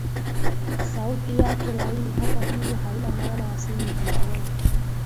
sauti yake laini hata hivyo haina maana asili upendeleo